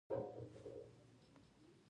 دا هیئت د عدالت او امید مجلې دی.